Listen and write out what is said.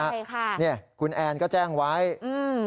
ใช่ค่ะเนี่ยคุณแอนก็แจ้งไว้อืม